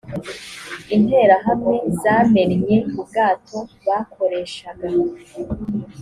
interahamwe zamennye ubwato bakoreshaga